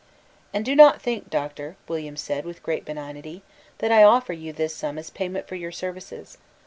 "And do not think, Doctor," William said, with great benignity, "that I offer you this sum as payment for your services.